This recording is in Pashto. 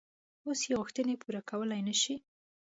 اوس یې غوښتنې پوره کولای نه شي.